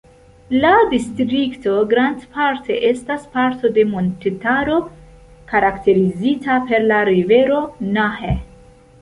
La distrikto grandparte estas parto de montetaro karakterizita per la rivero Nahe.